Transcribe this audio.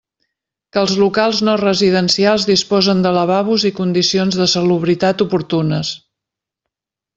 Que els locals no residencials disposen de lavabos i condicions de salubritat oportunes.